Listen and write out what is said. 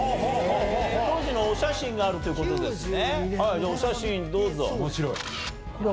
当時のお写真があるということですね。